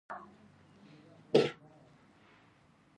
دا په عام او خاص حکم ویشل شوی.